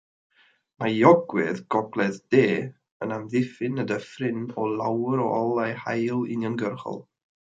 Mae ei ogwydd gogledd-de yn amddiffyn y dyffryn o lawer o olau haul uniongyrchol.